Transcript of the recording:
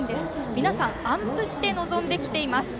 皆さん、暗譜して臨んできています。